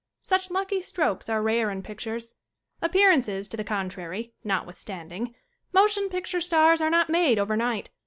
Such lucky strokes are rare in pictures. Ap pearances to the contrary, notwithstanding, motion picture stars are not made over night.